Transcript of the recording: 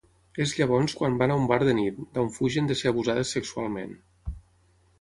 És llavors quan van a un bar de nit, d’on fugen de ser abusades sexualment.